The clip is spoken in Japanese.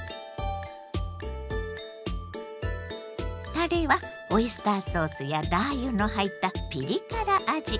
たれはオイスターソースやラー油の入ったピリ辛味。